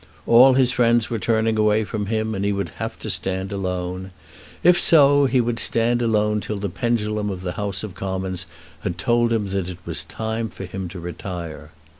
All his friends were turning away from him and he would have to stand alone. If so, he would stand alone till the pendulum of the House of Commons had told him that it was time for him to retire.